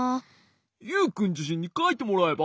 ユウくんじしんにかいてもらえば？